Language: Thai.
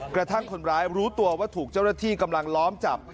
กระทั่งคนร้ายรู้ตัวว่าถูกเจ้าหน้าที่กำลังล้อมจับ